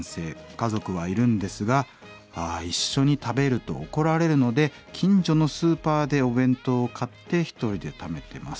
「家族はいるんですが一緒に食べると怒られるので近所のスーパーでお弁当を買って一人で食べてます。